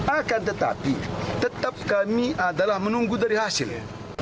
akan tetapi tetap kami adalah menunggu dari hasil